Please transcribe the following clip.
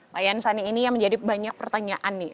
pak yansani ini yang menjadi banyak pertanyaan nih